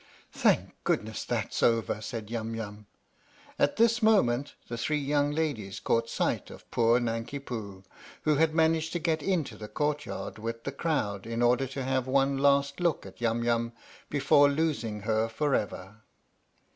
" Thank goodness that 's over !" said Yum Yum. At this moment the three young ladies caught sight of poor Nanki Poo, who had managed to get into the courtyard with the crowd in order to have one last look at Yum Yum before losing her for ever.